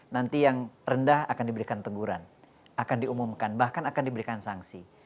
nanti yang rendah akan diberikan teguran akan diumumkan bahkan akan diberikan sanksi